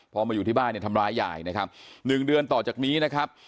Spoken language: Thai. พอมาอยู่ที่บ้านเนี่ยทำร้ายยายนะครับ๑เดือนต่อจากนี้นะครับ